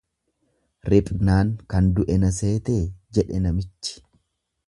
Riphnaan kan du'e na seetee jedhe namichi.